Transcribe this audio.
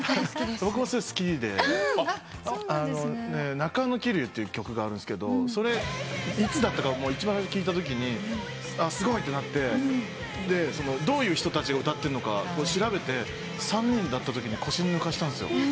『ｎａｋａｎｏｋｉｌｌｙｏｕ』って曲があるんすけどそれいつだったか聴いたときにすごいってなってどういう人たちが歌ってるのか調べて３人だったときに腰抜かしたんすよ。